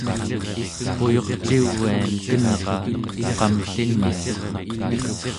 puyircivian kenra qamlliniuq